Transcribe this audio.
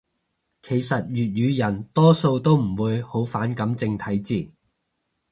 其實粵語人多數都唔會好反感正體字